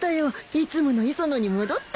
いつもの磯野に戻って。